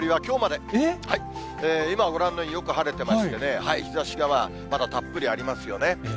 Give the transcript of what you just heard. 今、ご覧のように、よく晴れてましてね、日ざしがまだたっぷりありますよね。